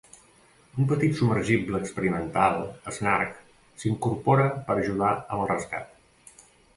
Un petit submergible experimental, "Snark", s'incorpora per ajudar amb el rescat.